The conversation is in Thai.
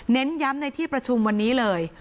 ย้ำในที่ประชุมวันนี้เลย